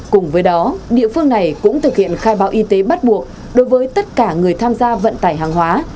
cùng với đó địa phương này cũng thực hiện khai báo y tế bắt buộc đối với tất cả người tham gia vận tải hàng hóa